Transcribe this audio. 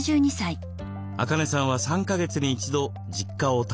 アカネさんは３か月に一度実家を訪ねています。